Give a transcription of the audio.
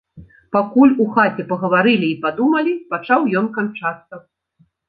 Пакуль у хаце пагаварылі і падумалі, пачаў ён канчацца.